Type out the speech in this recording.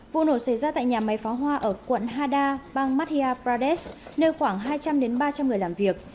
vụ nổ xảy ra tại nhà máy phó hoa ở quận hada bang matia pradesh nơi khoảng hai trăm linh ba trăm linh người làm việc